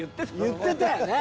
言ってたよね。